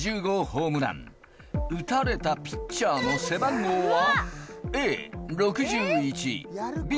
ホームラン打たれたピッチャーの背番号は？